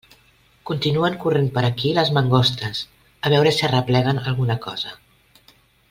Continuen corrent per aquí les mangostes a veure si arrepleguen alguna cosa.